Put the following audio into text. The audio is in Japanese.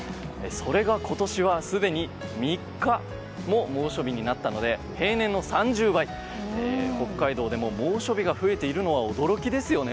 それが今年は、すでに３日も猛暑日になったので平年の３０倍と北海道でも猛暑日が増えているのは驚きですよね。